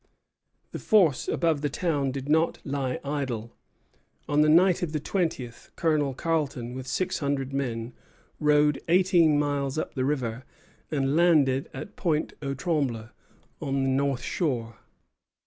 The force above the town did not lie idle. On the night of the twentieth, Colonel Carleton, with six hundred men, rowed eighteen miles up the river, and landed at Pointe aux Trembles, on the north shore.